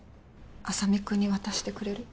浅見君に渡してくれる？